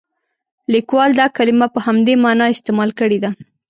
لیکوال دا کلمه په همدې معنا استعمال کړې ده.